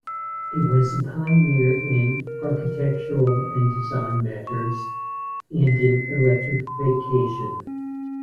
It was a pioneer in architectural and design matters and in electrification.